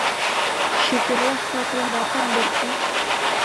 Syukurlah, kau telah datang, Bertie.